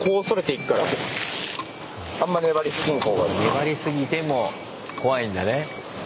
粘りすぎても怖いんだね。